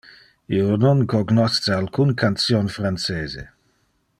Io non cognosce alcun cantion francese.